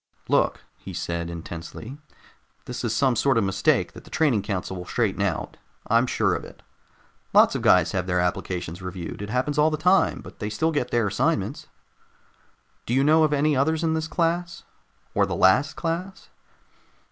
"Look," he said intensely, "this is some sort of mistake that the training council will straighten out. I'm sure of it. Lots of guys have their applications reviewed. It happens all the time, but they still get their assignments." "Do you know of any others in this class? Or the last class?"